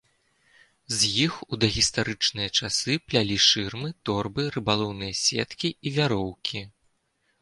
З іх у дагістарычныя часы плялі шырмы, торбы, рыбалоўныя сеткі і вяроўкі.